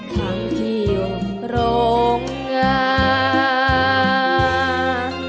ทั้งที่โรงงาน